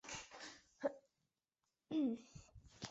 霍雷肖是一个位于美国阿肯色州塞维尔县的城市。